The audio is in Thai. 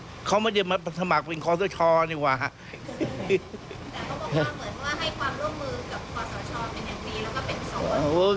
แต่เขาบอกว่าเหมือนว่าให้ความร่วมมือกับคอสชเป็นอันดีแล้วก็เป็นโสด